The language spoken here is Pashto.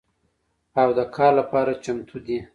او د کار لپاره چمتو دي